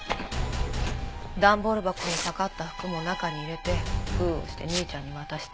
ダンボール箱にかかった服も中に入れて封をして兄ちゃんに渡した。